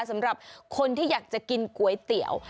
สำหรับคนที่อยากจะกินก๋วยเตี๋ยว